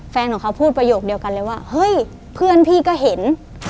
แฟนของเขาพูดประโยคเดียวกันเลยว่าเฮ้ยเพื่อนพี่ก็เห็น